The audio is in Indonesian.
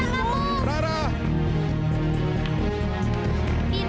belum ajairin diriku